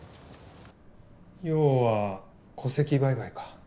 要は戸籍売買か。